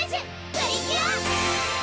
プリキュア！